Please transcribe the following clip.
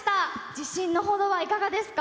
自信のほどはいかがですが。